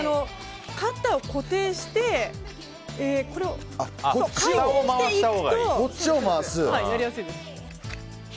カッターを固定して回転していくとやりやすいです。